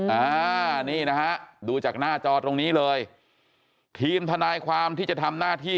อ่านี่นะฮะดูจากหน้าจอตรงนี้เลยทีมทนายความที่จะทำหน้าที่